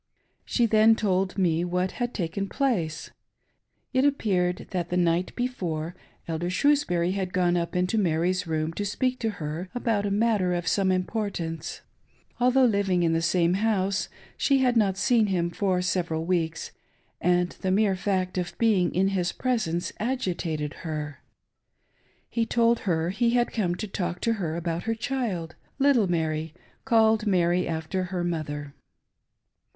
She then told me what had taken place. It appeared that the night before. Elder Shrewsbury had gone up into Mary's room to speak to her about a matter of some importance. Although living in the same house she had not seen him for several weeks, and the mere fact of being in his presence agitated her. He told her he had conie to talk about her child •^little Mary, called Mary after her mother.